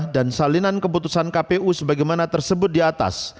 dan salinan keputusan kpu sebagaimana tersebut di atas